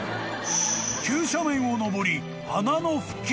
［急斜面をのぼり］